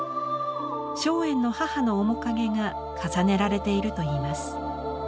松園の母の面影が重ねられているといいます。